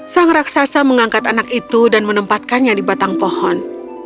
sang raksasa mengangkat anak itu dan menempatkannya di batang pohon